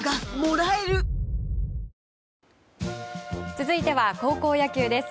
続いては高校野球です。